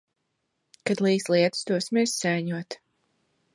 Kad līs lietus, dosimies sēņot.